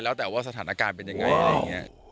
แล้วแต่ว่าสถานการณ์เป็นยังไงอะไรอย่างนี้